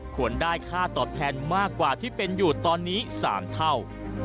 ควรได้ค่าตอบแทนมากกว่าที่เป็นอยู่ตอนนี้๓เท่า